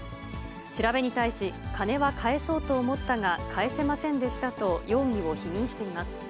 調べに対し、金は返そうと思ったが返せませんでしたと、容疑を否認しています。